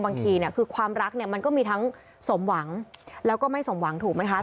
บางทีเนี่ยคือความรักเนี่ยมันก็มีทั้งสมหวังแล้วก็ไม่สมหวังถูกไหมคะ